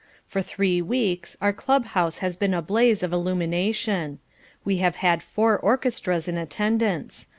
For three weeks our club house has been a blaze of illumination. We have had four orchestras in attendance.